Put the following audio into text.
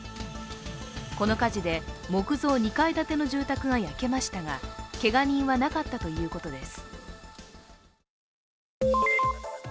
この火事で木造２階建ての住宅が焼けましたが、けが人はなかったということです。